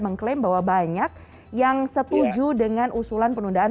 mengklaim bahwa banyak yang setuju dengan usulan penunjukan ini